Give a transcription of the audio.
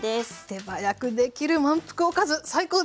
手早くできる満腹おかず最高です！